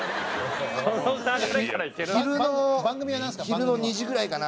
昼の２時ぐらいかな。